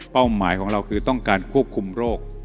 หมายของเราคือต้องการควบคุมโรค